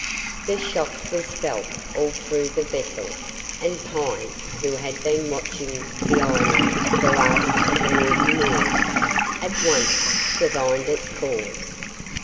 The shock was felt all through the vessel, and Pine, who had been watching the ironing of the last of the mutineers, at once divined its cause.